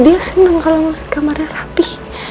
dia seneng kalau kamarnya rapi